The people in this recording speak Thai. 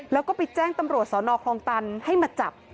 แล้วก็ไปแจ้งตำรวจสอนอคลองตันให้มาจับ